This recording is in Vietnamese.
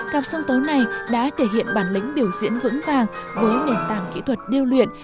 cặp song tấu này đã thể hiện bản lĩnh biểu diễn vững vàng với nền tảng kỹ thuật điêu luyện